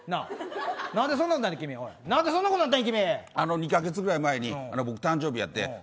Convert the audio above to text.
２カ月ぐらい前に僕誕生日やってん。